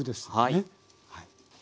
はい。